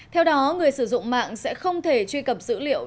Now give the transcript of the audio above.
theo đó người sử dụng mạng sẽ không thể truy cập dữ liệu